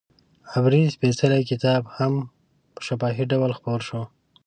عبري سپېڅلی کتاب هم په شفاهي ډول خپور شو.